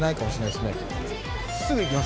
すぐ行きます。